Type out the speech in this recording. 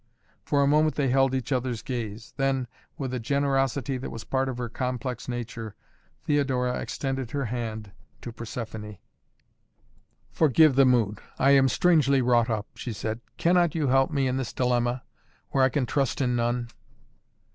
For a moment they held each other's gaze, then, with a generosity that was part of her complex nature, Theodora extended her hand to Persephoné. "Forgive the mood I am strangely wrought up," she said. "Cannot you help me in this dilemma, where I can trust in none?"